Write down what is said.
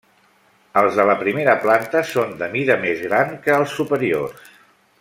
Els de la primera planta són de mida més gran que els superiors.